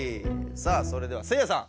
さあそれではせいやさん。